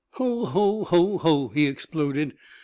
"Ho, ho! ho, ho!" he exploded.